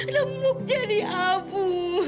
lemuk jadi abu